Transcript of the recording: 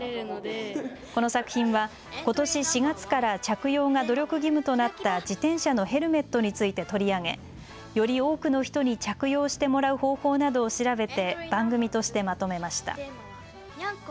この作品はことし４月から着用が努力義務となった自転車のヘルメットについて取り上げより多くの人に着用してもらう方法などを調べて番組としてまとめました。